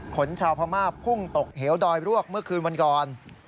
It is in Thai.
ชาวพม่าพุ่งตกเหวดอยรวกเมื่อคืนวันก่อน